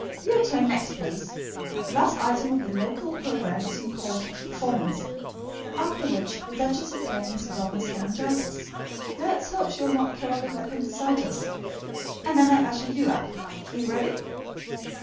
Your turn next, please. The last item of the local programme is in course of performance, after which the duchess explains Velma's laryngitis let us hope she will not call it 'appendicitis' and then I usher you up. Are you ready?"